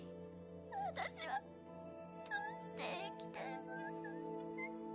私はどうして生きてるの？